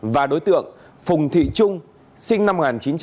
và đối tượng phùng thị trung sinh năm một nghìn chín trăm bảy mươi tám